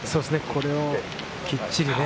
これをきっちりね。